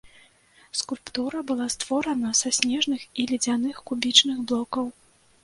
Скульптура была створана са снежных і ледзяных кубічных блокаў.